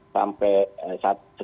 sampai saat sekanatnya